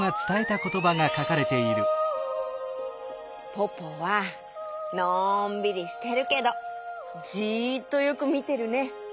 ポポはのんびりしてるけどじっとよくみてるね！